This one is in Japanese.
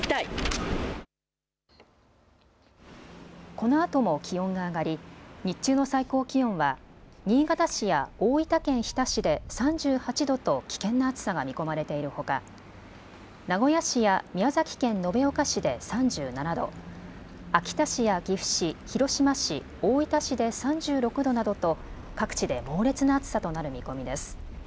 このあとも気温が上がり日中の最高気温は新潟市や大分県日田市で３８度と危険な暑さが見込まれているほか名古屋市や宮崎県延岡市で３７度、秋田市や岐阜市、広島市、大分市で３６度などと各地で猛烈な暑さとなる見込みです。